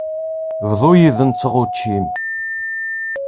Bḍu yid-nteɣ učči-m.